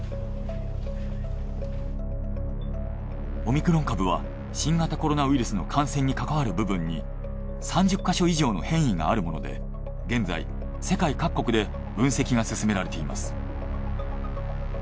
オミクロン株は新型コロナウイルスの感染に関わる部分に３０ヵ所以上の変異があるもので現在世界各国で分析が進められています。